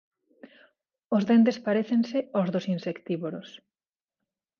Os dentes parécense aos dos insectívoros.